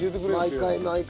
毎回毎回。